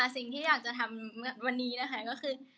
สิ่งที่อยากจะทำวันนี้นะคะก็คือ